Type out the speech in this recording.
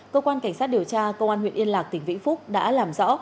cơ quan cảnh sát điều tra công an huyện yên lạc tỉnh vĩnh phúc đã làm rõ